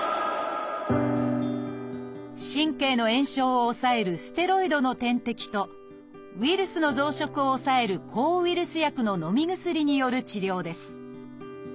神経の炎症を抑えるステロイドの点滴とウイルスの増殖を抑える抗ウイルス薬ののみ薬による治療です